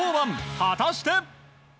果たして。